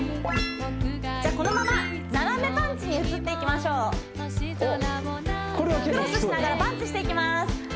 じゃあこのまま斜めパンチに移っていきましょうおっこれは結構きそうやなクロスしながらパンチしていきます